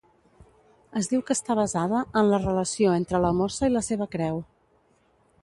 Es diu que està basada "en la relació entre la mossa i la seva creu".